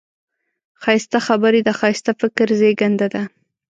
ښایسته خبرې د ښایسته فکر زېږنده ده